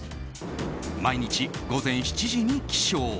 毎日午前７時に起床。